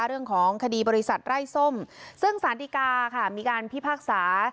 เรื่องของคดีบริษัทไร้ส้มซึ่งสารดีกาค่ะมีการพิพากษา